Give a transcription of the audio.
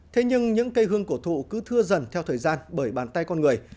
thế nhưng những cây hương cổ thụ cứ thưa dần theo thời gian bởi bàn tay con người